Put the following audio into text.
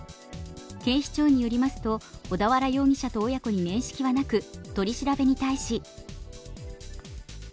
警視庁によりますと小田原容疑者と親子に面識はなく